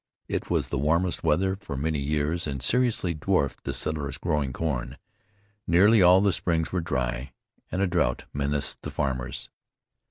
It was the warmest weather for many years, and seriously dwarfed the settlers' growing corn. Nearly all the springs were dry, and a drouth menaced the farmers.